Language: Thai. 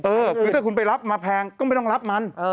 เออคือถ้าคุณไปรับมาแพงก็ไม่ต้องรับมัน